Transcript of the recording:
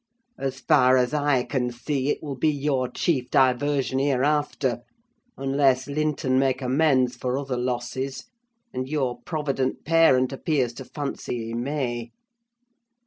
As far as I can see, it will be your chief diversion hereafter; unless Linton make amends for other losses: and your provident parent appears to fancy he may.